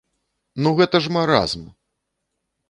Ну гэта ж маразм!